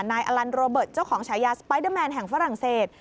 อลันโรเบิร์ตเจ้าของฉายาสไปเดอร์แมนแห่งฝรั่งเศส